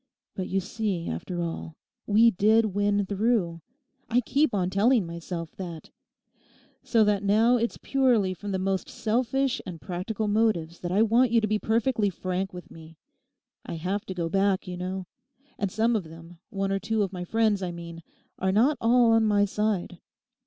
But you see, after all, we did win through; I keep on telling myself that. So that now it's purely from the most selfish and practical motives that I want you to be perfectly frank with me. I have to go back, you know; and some of them, one or two of my friends I mean, are not all on my side.